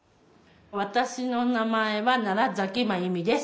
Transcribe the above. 私の名前は奈良崎真弓です。